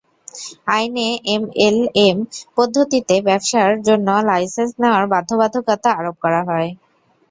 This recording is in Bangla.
আইনে এমএলএম পদ্ধতিতে ব্যবসার জন্য লাইসেন্স নেওয়ার বাধ্যবাধকতা আরোপ করা হয়।